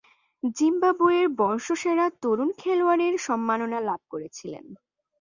জিম্বাবুয়ের বর্ষসেরা তরুণ খেলোয়াড়ের সম্মাননা লাভ করেছিলেন।